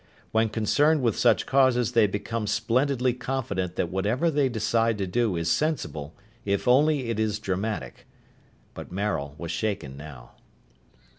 When concerned with such causes they become splendidly confident that whatever they decide to do is sensible if only it is dramatic. But Maril was shaken, now.